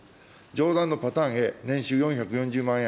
上段のパターンＡ、年収４４０万円、